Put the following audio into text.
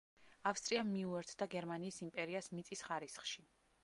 ავსტრია მიუერთდა გერმანიის იმპერიას მიწის ხარისხში.